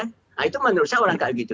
nah itu menurut saya orang kayak gitu